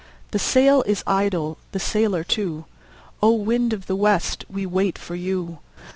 The sail is idle, the sailor too; O! wind of the west, we wait for you.